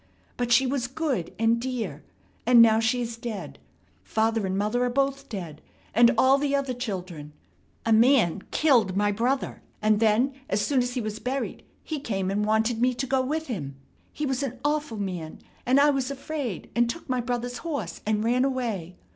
But she was good and dear, and now she is dead. Father and mother are both dead, and all the other children. A man killed my brother, and then as soon as he was buried he came and wanted me to go with him. He was an awful man, and I was afraid, and took my brother's horse and ran away.